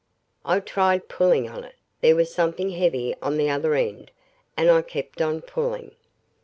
I tried pulling on it. There was something heavy on the other end and I kept on pulling.